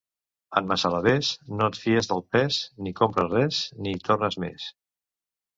En Massalavés no et fies del pes, ni compres res, ni hi tornes més!